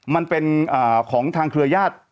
มันเป็นของทางเครือญาติ